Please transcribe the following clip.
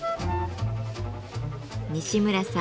西村さん